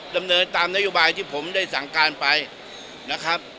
ดำเนินตามนโยบายที่ผมได้สั่งการไปนะครับ